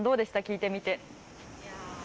聴いてみて。